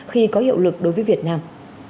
khi có hiệu lực đối với việt nam